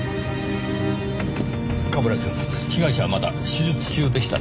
冠城くん被害者はまだ手術中でしたね。